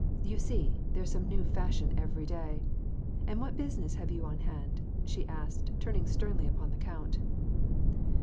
You see, there's some new fashion every day. And what business have you on hand ?she asked, turuing sternly upon the count.